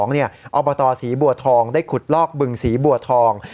อบตศรีบัวทองได้ขุดลอกบึงศรีบัวทอง